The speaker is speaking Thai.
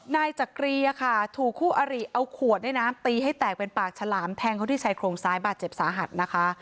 นายจักรีค่ะถูกคู่อริเอาขวดเนี่ยนะตีให้แตกเป็นปากฉลามแทงเขาที่ชายโครงซ้ายบาดเจ็บสาหัสนะคะ